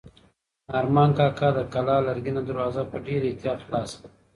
ارمان کاکا د کلا لرګینه دروازه په ډېر احتیاط خلاصه کړه.